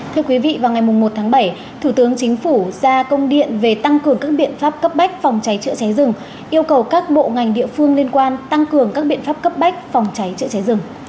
thưa quý vị vào ngày một tháng bảy thủ tướng chính phủ ra công điện về tăng cường các biện pháp cấp bách phòng cháy chữa cháy rừng yêu cầu các bộ ngành địa phương liên quan tăng cường các biện pháp cấp bách phòng cháy chữa cháy rừng